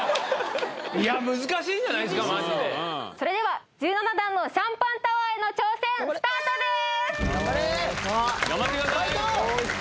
それでは１７段のシャンパンタワーへの挑戦スタートです！